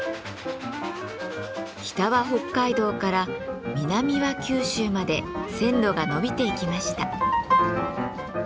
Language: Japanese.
北は北海道から南は九州まで線路が延びていきました。